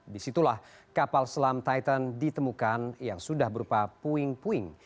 disitulah kapal selam titan ditemukan yang sudah berupa puing puing